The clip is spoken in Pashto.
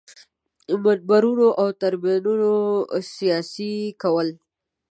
منبرونو او تریبیونونو سیاسي کول.